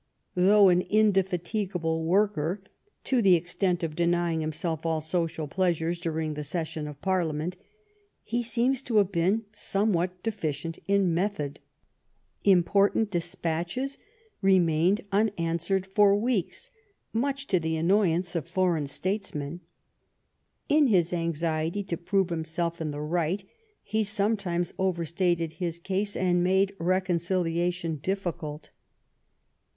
Though an indefatigable worker, to the extent of denying himself all social pleasures during the Session of Parliament, he seems to have been somewhat deficient in method. Important despatches remained unanswered for weeks, much to the annoyance of foreign statesmen ; in his anxiety to prove himself in the right, he sometimes overstated his case and made reconciliation difficult.